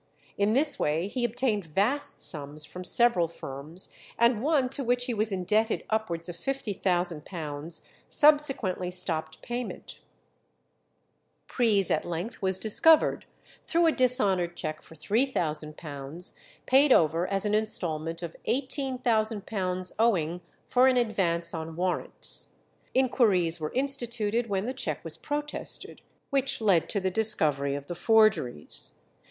In this way he obtained vast sums from several firms, and one to which he was indebted upwards of £50,000 subsequently stopped payment. Pries at length was discovered through a dishonoured cheque for £3000, paid over as an instalment of £18,000 owing for an advance on warrants. Inquiries were instituted when the cheque was protested, which led to the discovery of the forgeries.